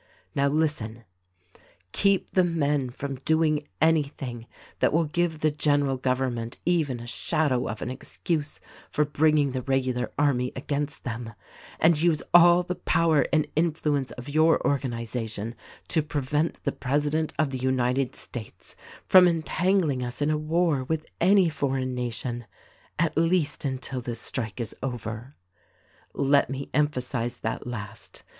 Now listen : "Keep the men from doing anything that zvill give the general govern ment even a shadow of an excuse for bringing the regular army against them, and use all the pozver and influence of your organization to prevent the president of the United States from entangling us in a war zvith any foreign nation — at least until this strike is over. Let me emphasize that last